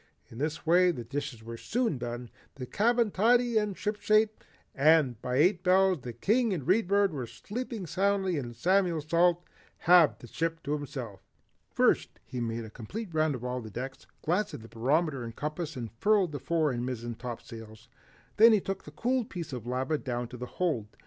In this way the dishes were soon done, the cabin tidy and shipshape, and by eight bells the King and the Read Bird were sleeping soundly and Samuel Salt had the ship to himself. First, he made a complete round of all decks, glanced at the barometer and compass, and furled the fore and mizzen topsails. Then he took the cooled piece of lava down to the hold.